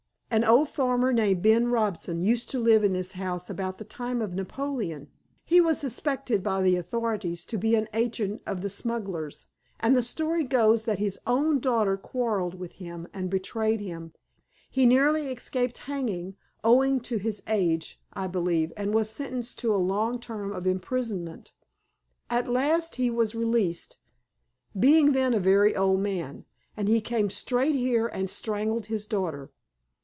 An old farmer named Ben Robson used to live in this house about the time of Napoleon. He was suspected by the authorities to be an agent of the smugglers, and the story goes that his own daughter quarreled with him and betrayed him. He narrowly escaped hanging, owing to his age, I believe, and was sentenced to a long term of imprisonment. At last he was released, being then a very old man, and he came straight here and strangled his daughter.